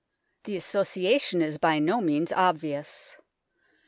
The association is by no means obvious.